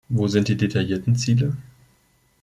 Wo sind die detaillierten Ziele?